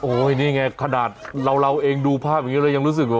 นี่ไงขนาดเราเองดูภาพอย่างนี้เรายังรู้สึกเหรอ